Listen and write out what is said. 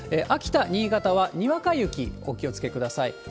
秋田、新潟はにわか雪、お気をつけください。